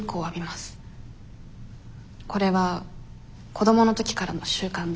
これは子どもの時からの習慣で。